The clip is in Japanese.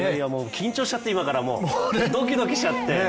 緊張しちゃって、ドキドキしちゃって！